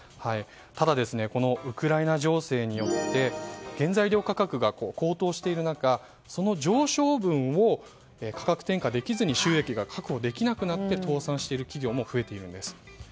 ただ、ウクライナ情勢によって原材料価格が高騰している中その上昇分を価格転嫁できずに収益が確保できなくなって倒産している企業も増えているんです。